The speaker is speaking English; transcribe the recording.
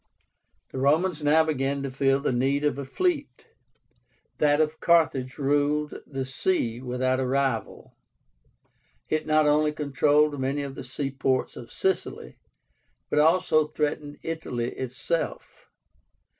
The Romans now began to feel the need of a fleet. That of Carthage ruled the sea without a rival: it notonly controlled many of the seaports of Sicily, but also threatened Italy itself.